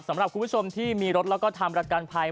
สำหรับคุณผู้ชมที่มีรถและทำรักการภัย